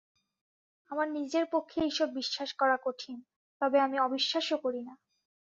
আমার নিজের পক্ষে এইসব বিশ্বাস করা কঠিন, তবে আমি অবিশ্বাসও করি না।